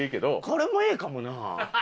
これもええかもな。